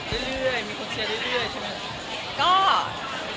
ก็เลยเอาข้าวเหนียวมะม่วงมาปากเทียน